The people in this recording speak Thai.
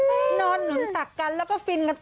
นอนหนุนตักกันแล้วก็ฟินกันต่อ